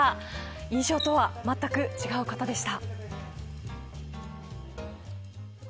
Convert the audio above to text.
印象とはまったく違う方でした。